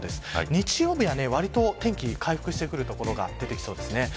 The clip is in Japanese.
日曜日はわりと、天気回復してくる所が出てきそうですね。